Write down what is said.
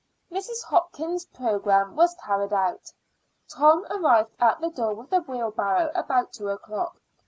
Mrs. Hopkins's programme was carried out. Tom arrived at the door with the wheelbarrow about two o'clock.